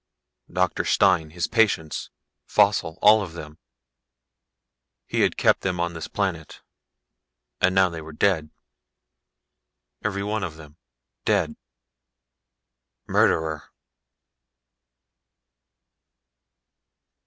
Doctor Stine, his patients, Faussel, all of them. He had kept them on this planet, and now they were dead. Every one of them. Dead. Murderer!